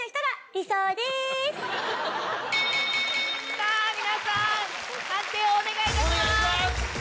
さぁ皆さん判定をお願いいたします。